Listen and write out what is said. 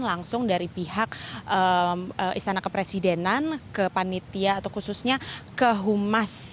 langsung dari pihak istana kepresidenan ke panitia atau khususnya ke humas